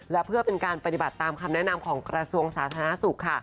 และเพื่อเป็นการปฏิบัติตามคำแนะนำของกระทรวงสาธารณสุขค่ะ